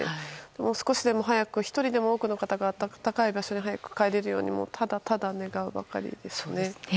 少しでも早く１人でも多くの方が暖かい場所に帰れるようにただただ願うばかりですね。